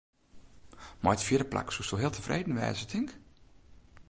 Mei in fjirde plak soesto heel tefreden wêze, tink?